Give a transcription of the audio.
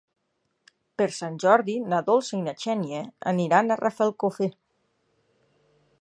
Per Sant Jordi na Dolça i na Xènia aniran a Rafelcofer.